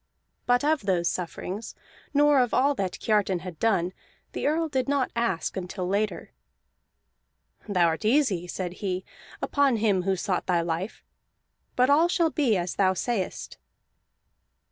But of those sufferings, nor of all that Kiartan had done, the Earl did not ask until later. "Thou art easy," said he, "upon him who sought thy life; but all shall be as thou sayest."